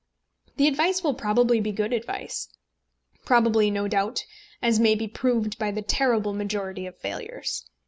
The advice will probably be good advice, probably, no doubt, as may be proved by the terrible majority of failures.